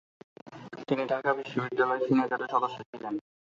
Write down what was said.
তিনি ঢাকা বিশ্ববিদ্যালয় সিনেটেরও সদস্য ছিলেন।